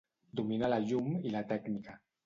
Dominà la llum i la tècnica.